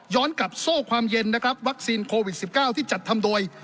กับโซ่ความเย็นนะครับวัคซีนโควิด๑๙ที่จัดทำโดย